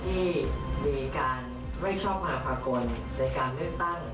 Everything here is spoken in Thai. และในสิ่งที่มีการไม่ช่องมาพากลในการเลือกตั้ง